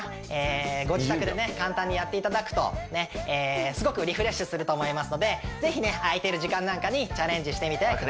簡単にやっていただくとすごくリフレッシュすると思いますのでぜひね空いている時間なんかにチャレンジしてみてください